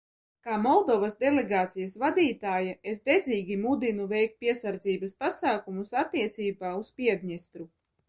Kā Moldovas delegācijas vadītāja es dedzīgi mudinu veikt piesardzības pasākumus attiecībā uz Piedņestru.